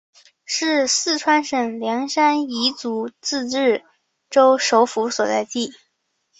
是四川省凉山彝族自治州首府所在地。